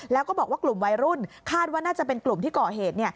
แล้วก็บอกว่ากลุ่มวัยรุ่นคาดว่าน่าจะเป็นกลุ่มที่ก่อเหตุ